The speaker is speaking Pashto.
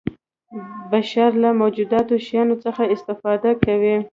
بشر له موجودو شیانو څخه استفاده کوي.